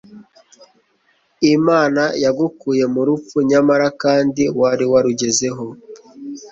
Imana yo yagukuye mu rupfu nyamara kandi wari warugezeho